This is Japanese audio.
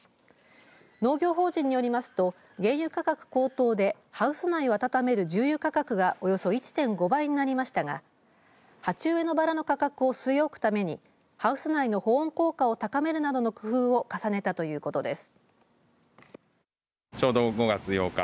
農業法人によりますと原油価格高騰でハウス内を温める重油価格がおよそ１．５倍になりましたが鉢植えのバラの価格を据え置くためにハウス内の保温効果を高めるなどの工夫を重ねたということです。